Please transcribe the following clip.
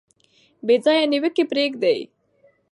بې ځایه نیوکې پریږدئ.